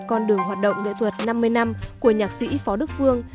con đường hoạt động nghệ thuật năm mươi năm của nhạc sĩ phó đức phương